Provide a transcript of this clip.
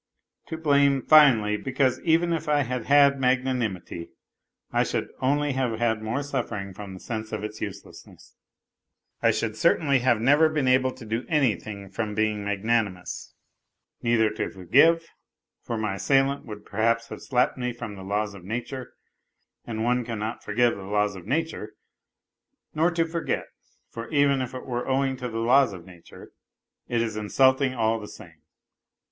To blame, finally, because even if I had had mag nanimity, I should only have had more suffering from the sense of its uselessness. I should certainly have never been able to do anything from being magnanimous neither to forgive, for my assailant would perhaps have slapped me from the laws of nature, and one cannot forgive the laws of nature ; nor to forget, for even if it were owing to the laws of nature, it is insult ing all the same.